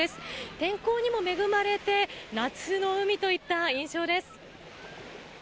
天候にも恵まれて夏の海といった印象です。